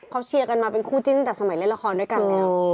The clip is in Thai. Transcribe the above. เขาเชียร์กันมาเป็นคู่จิ้นแต่สมัยเล่นละครด้วยกันแล้ว